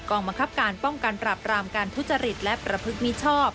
บังคับการป้องกันปรับรามการทุจริตและประพฤติมิชชอบ